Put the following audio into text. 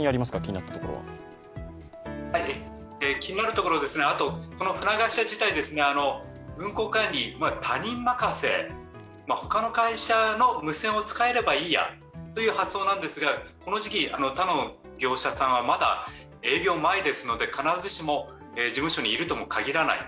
気になるところはあと、この船会社自体運航管理、他人任せ他の会社の無線を使えればいいやという発想なんですが、この時期、他の業者さんはまだ営業前ですので必ずしも事務所にいるとは限らない。